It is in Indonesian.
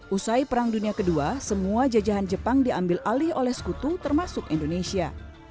usai perang dunia ii semua jajahan jepang diambil alih oleh sekutu termasuk indonesia